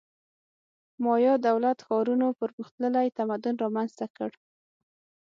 مایا دولت ښارونو پرمختللی تمدن رامنځته کړ